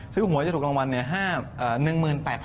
ซื้อหวยจะถูกรางวัล๑๘๐๐๐๐๐บาท